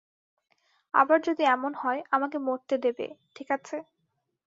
আবার যদি এমন হয় আমাকে মরতে দেবে, ঠিক আছে?